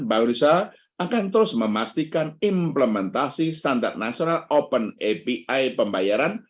bank riset akan terus memastikan implementasi standar nasional open api pembayaran